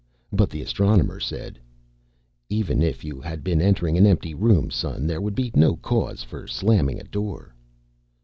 But the Astronomer said, "Even if you had been entering an empty room, son, there would be no cause for slamming a door."